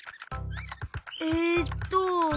えっと。